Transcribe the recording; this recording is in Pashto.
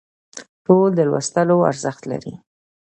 ټول د لوستلو ارزښت لري